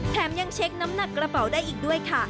ยังเช็คน้ำหนักกระเป๋าได้อีกด้วยค่ะ